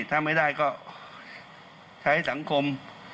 ถ้าไม่ได้ก็ใช้สังคม